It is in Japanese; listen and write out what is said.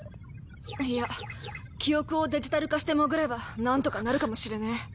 いや記憶をデジタル化して潜れば何とかなるかもしれねえ。